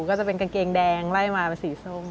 ก็จะเป็นกางเกงแดงไล่มาเป็นสีส้ม